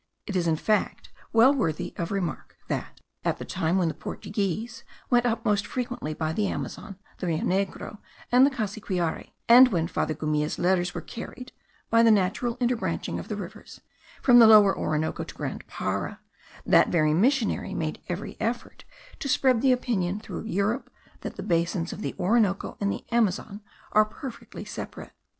It is in fact well worthy of remark that, at the time when the Portuguese went up most frequently by the Amazon, the Rio Negro, and the Cassiquiare, and when Father Gumilla's letters were carried (by the natural interbranching of the rivers) from the lower Orinoco to Grand Para, that very missionary made every effort to spread the opinion through Europe that the basins of the Orinoco and the Amazon are perfectly separate.